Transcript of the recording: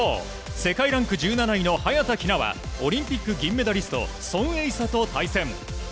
世界ランク１７位の早田ひなはオリンピック銀メダリストソン・エイサと対戦。